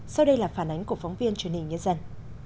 sau đây là phản ánh của phóng viên truyền hình nhân dân